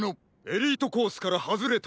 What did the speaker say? エリートコースからはずれたら。